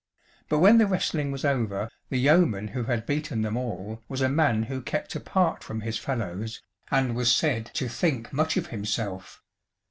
But when the wrestling was over, the yeoman who had beaten them all was a man who kept apart from his fellows, and was said to think much of himself.